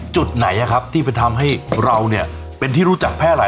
จุดไหนที่ไปทำให้เราเนี่ยเป็นที่รู้จักแพร่หลาย